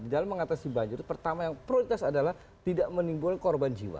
dalam mengatasi banjir pertama yang prioritas adalah tidak menimbulkan korban jiwa